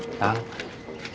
nanti dulu atu idoy